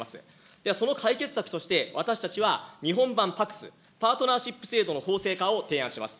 ではその解決策として、私たちは日本版パクス、パートナーシップ制度の法制化を提案します。